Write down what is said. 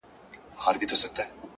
د پتڼ له سرې لمبې نه څه پروا ده.!